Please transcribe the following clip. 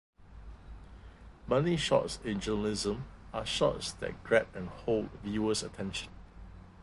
Money shots in journalism are shots that grab and hold viewers' attention.